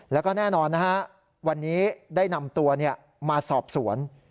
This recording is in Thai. แล้วก็แน่นอนนะฮะวันนี้ได้นำตัวมาสอบสวน